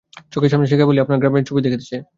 চোখের সামনে সে কেবলই আপনার গ্রামের নানা ছবি দেখিতেছে।